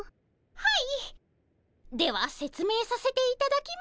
はい。